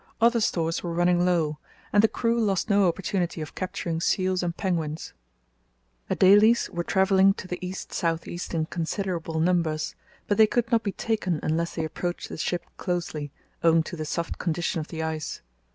Other stores were running low, and the crew lost no opportunity of capturing seals and penguins. Adelies were travelling to the east south east in considerable numbers, but they could not be taken unless they approached the ship closely, owing to the soft condition of the ice.